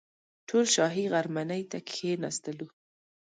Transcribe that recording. ټول شاهي غرمنۍ ته کښېنستلو.